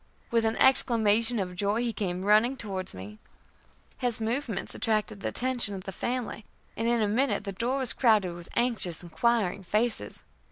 With an exclamation of joy, he came running towards me. His movements attracted the attention of the family, and in a minute the door was crowded with anxious, inquiring faces.